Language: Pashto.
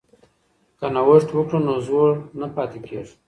که نوښت وکړو نو زوړ نه پاتې کیږو.